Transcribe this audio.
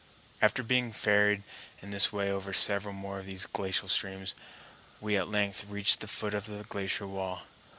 After being ferried in this way over several more of these glacial streams, we at length reached the foot of the glacier wall.